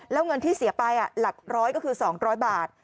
แล้วเงินที่เสียไปหลักร้อยก็คือ๒๐๐บาท